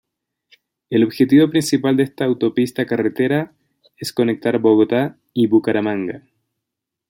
El objetivo principal de esta autopista-carretera es conectar Bogotá y Bucaramanga.